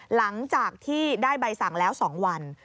หลังจากที่ได้ใบสั่งแล้ว๒วัน